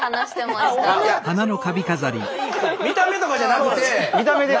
見た目とかじゃなくて。